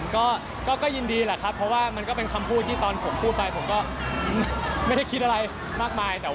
คือตอนตัวเราตัวเราสุขไหมครับ